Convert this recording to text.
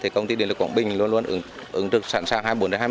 công ty điện lực quảng bình luôn luôn ứng được sẵn sàng hai mươi bốn hai mươi bốn